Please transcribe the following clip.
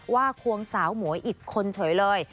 ว่าควงสาวหมวยอิดคนเฉยเลย